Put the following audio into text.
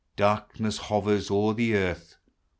Darkness hovers O'er the earth.